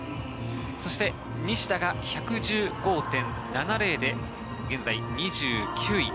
そして西田が１１５．７０で現在２９位。